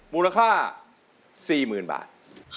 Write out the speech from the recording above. มูลค่า๔๐๐๐บาท